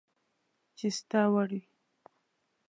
چي ستا وړ وي